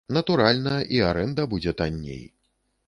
Натуральна, і арэнда будзе танней.